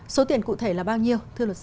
số tiền cụ thể là bao nhiêu